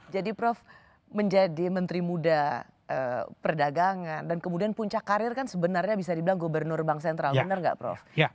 jadi prof menjadi menteri muda perdagangan dan kemudian puncak karir kan sebenarnya bisa dibilang gubernur bank sentral benar gak prof